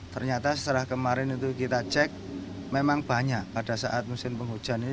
ternyata setelah kemarin itu kita cek memang banyak pada saat musim hujan ini